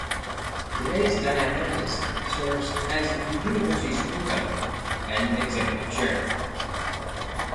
Today Diamandis serves as the university's co-founder and executive chairman.